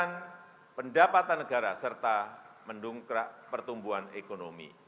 negara yang ada yang juga cowok n